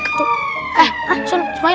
eh eh sun semail